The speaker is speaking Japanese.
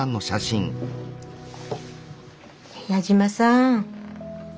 矢島さん